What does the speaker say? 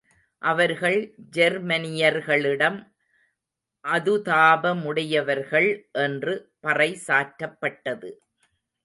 அவர்கள் ஜெர்மானியர்களிடம் அதுதாபமுடையவர்கள் என்று பறை சாற்றப்பட்டது.